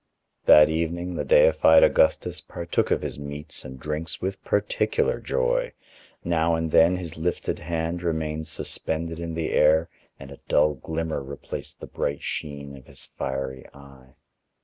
That evening the deified Augustus partook of his meats and drinks with particular joy. Now and then his lifted hand remained suspended in the air, and a dull glimmer replaced the bright sheen of his fiery eye.